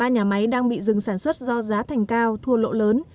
ba nhà máy đang bị dừng sản xuất do giá thành cao thua lỗ lớn